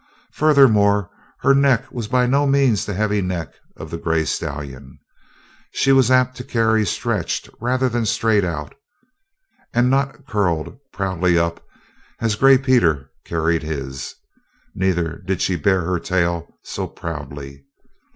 Furthermore, her neck, which was by no means the heavy neck of the gray stallion, she was apt to carry stretched rather straight out and not curled proudly up as Gray Peter carried his. Neither did she bear her tail so proudly.